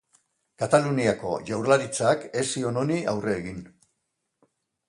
Kataluniako Jaurlaritzak ez zion honi aurre egin.